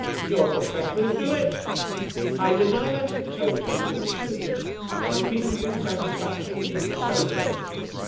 "Your professors do it." "I deny that in toto," said Smithers, and repeated with satisfaction, "in toto."